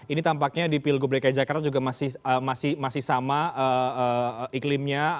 ini tampaknya di pilgub dki jakarta juga masih sama iklimnya